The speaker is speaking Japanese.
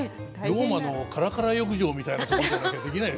ローマのカラカラ浴場みたいなところじゃなきゃできないですよね。